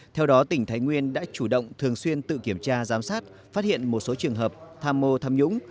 theo đó tỉnh thái nguyên đã chủ động thường xuyên tự kiểm tra giám sát phát hiện một số trường hợp tham mô tham nhũng